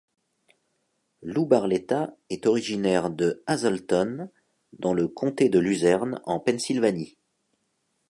Lou Barletta est originaire de Hazleton dans le comté de Luzerne en Pennsylvanie.